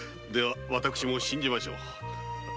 私も信じましょう。